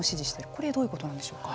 これはどういうことなんでしょうか。